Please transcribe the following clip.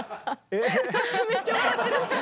めっちゃ笑ってる。